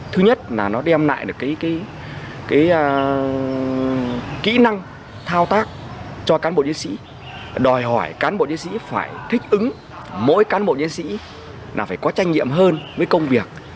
thứ nhất là nó đem lại được kỹ năng thao tác cho cán bộ diễn sĩ đòi hỏi cán bộ diễn sĩ phải thích ứng mỗi cán bộ diễn sĩ là phải có trách nhiệm hơn với công việc